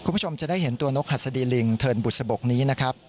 คุณผู้ชมจะได้เห็นตัวนกหัสดีลิงเทินบุษบกนี้นะครับ